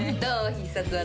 必殺技。